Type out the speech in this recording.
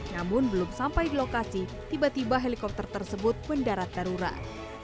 namun belum sampai di lokasi tiba tiba helikopter tersebut mendarat darurat